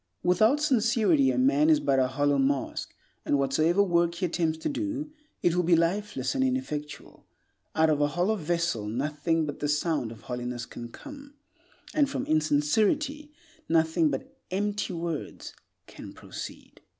Without sincerity a man is but a hollow mask, and whatsoever work he attempts to do, it will be lifeless and ineffectual. Out of a hollow vessel nothing but the sound of hollowness can come; and from insincerity nothing but empty words can proceed.